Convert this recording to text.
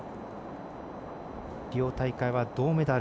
リオ大会は銅メダル。